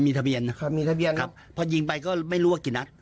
อ๋อมีทะเบียนครับครับมีทะเบียนครับครับพอยิงไปก็ไม่รู้ว่ากี่นัด